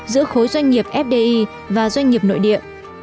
giữa khối doanh nghiệp fdi và doanh nghiệp nội địa